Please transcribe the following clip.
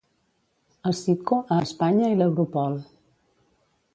El Citco a Espanya i l'Europol.